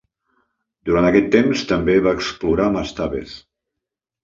Durant aquest temps també va explorar mastabes.